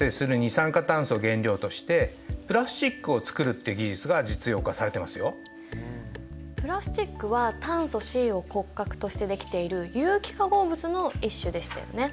そうですね例えばさまざまなプラスチックは炭素Ｃを骨格としてできている有機化合物の一種でしたよね。